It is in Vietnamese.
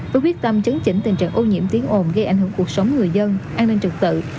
với quyết tâm chấn chỉnh tình trạng ô nhiễm tiếng ồn gây ảnh hưởng cuộc sống người dân an ninh trực tự